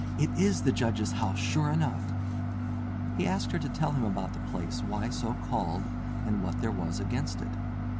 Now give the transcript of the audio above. It is the Judge's House sure enough." He asked her to tell him about the place, why so called, and what there was against it.